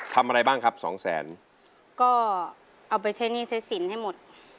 ทำอะไรบ้างครับสองแสนก็เอาไปใช้หนี้ใช้สินให้หมด